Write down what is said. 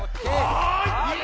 はい！